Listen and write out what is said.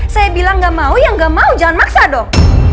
saya bilang gak mau yang gak mau jangan maksa dong